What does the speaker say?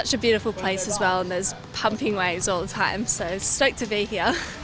jadi saya senang berada di sini